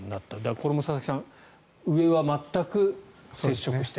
これも佐々木さん上は全く接触してない。